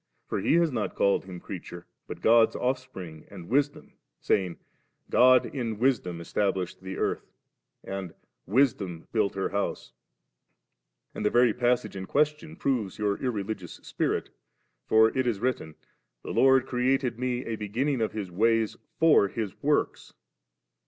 For he has not called Him creature, but God's Offspring and Wisdom, saying, 'God in Wis dom established the earth,' and 'Wisdom built her an house*/ And the very pas sage in question proves your irreligious spirit; for it is written, 'The Lord created me a banning of His ways for His works.